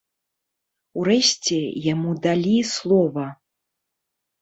Урэшце, яму далі слова.